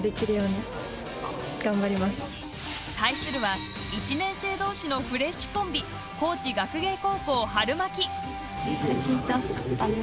対するは１年生同士のフレッシュコンビ高知学芸高校「はるまき」。